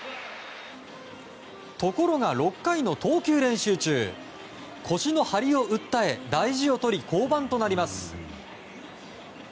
ところが６回の投球練習中腰の張りを訴え大事をとり、降板となります。